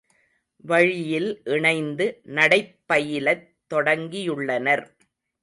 வழியில் இணைந்து நடைப்பயிலத் தொடங்கியுள்ளனர்.